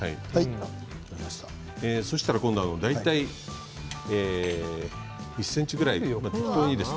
そしたら今度は大体１ｃｍぐらい、適当でいいです。